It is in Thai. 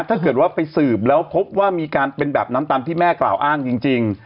ถ้าเกิดว่าไปสืบแล้วพบว่ามีการเป็นแบบนั้นตามที่แม่กล่าวอ้างจริง